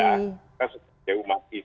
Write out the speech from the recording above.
alhamdulillah sejauh jauh masih